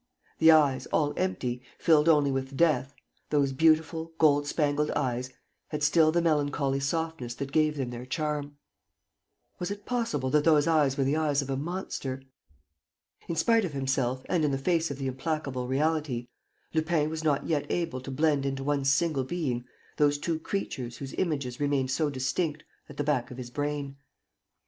The eyes, all empty, filled only with death, those beautiful gold spangled eyes, had still the melancholy softness that gave them their charm. Was it possible that those eyes were the eyes of a monster? In spite of himself and in the face of the implacable reality, Lupin was not yet able to blend into one single being those two creatures whose images remained so distinct at the back of his brain.